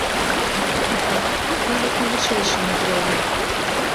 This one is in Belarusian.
Так, нават на вышэйшым узроўні.